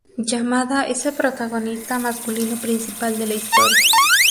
Yamada es el protagonista masculino principal de la historia.